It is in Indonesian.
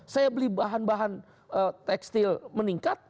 saya beli bahan bahan tekstil meningkat